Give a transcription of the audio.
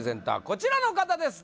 こちらの方です